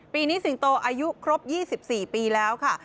ปีนี้สิงโตอายุครบ๒๔ปีแล้วค่ะ